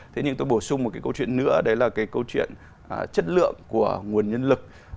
thế nhưng tôi bổ sung một cái câu chuyện nữa đấy là cái câu chuyện chất lượng của nguồn nhân lực